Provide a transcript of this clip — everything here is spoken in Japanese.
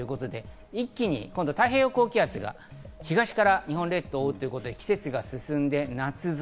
一気に太平洋高気圧が東から日本列島を覆ってくるということで季節が進んで夏空。